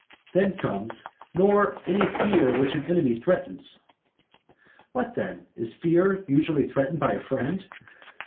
Then comes, "Nor any fear which an enemy threatens" What then? is fear usually threatened by a friend?